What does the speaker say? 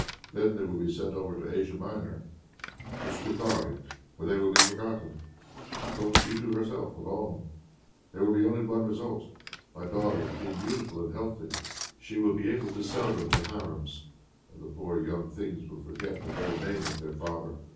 Then they will be sent over to Asia Minor, to Scutari, where they will be forgotten. What will she do herself alone? There will be only one result. My daughters being beautiful and healthy, she will be able to sell them to harems, where the poor young things will forget the very name of their father.